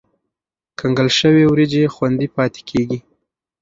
کنګل شوې وریجې خوندي پاتې کېږي.